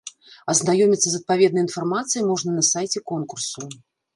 Азнаёміцца з адпаведнай інфармацыяй можна на сайце конкурсу.